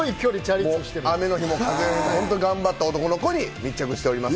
雨の日も風の日も頑張った男の子に密着しております。